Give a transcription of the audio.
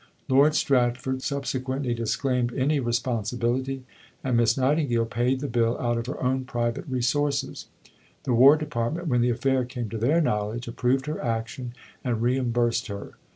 Lord Stratford subsequently disclaimed any responsibility, and Miss Nightingale paid the bill out of her own private resources. The War Department, when the affair came to their knowledge, approved her action, and reimbursed her.